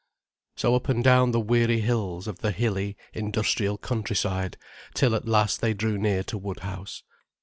So up and down the weary hills of the hilly, industrial countryside, till at last they drew near to Woodhouse.